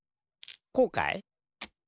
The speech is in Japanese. こうかい？